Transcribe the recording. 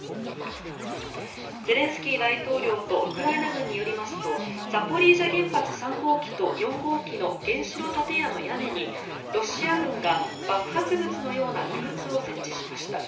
ゼレンスキー大統領とウクライナ軍によりますとザポリージャ原発３号機と４号機の原子炉建屋の屋根にロシア軍が爆発物のような異物を設置しました。